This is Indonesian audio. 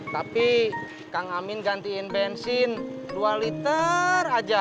tapi kang amin gantiin bensin dua liter aja